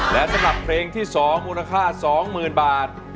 และสำหรับเพลงที่๒มูลค่า๒๐๐๐บาท